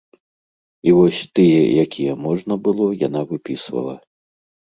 І вось тыя, якія можна было, яна выпісвала.